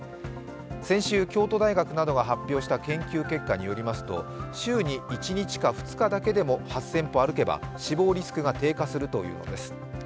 先週、京都大学などが発表した研究結果によりますと週に１日か２日だけでも８０００歩歩けば、死亡リスクが低下するということです。